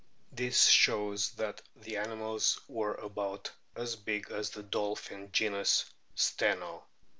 This shows that the animals were about as big as the dolphin genus Steno.